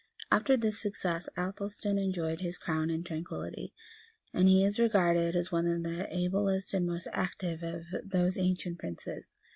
After this success, Athelstan enjoyed his crown in tranquillity; and he is regarded as one of the ablest and most active of those ancient princes.